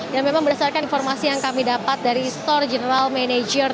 memang berdasarkan informasi yang kami dapat dari store general manager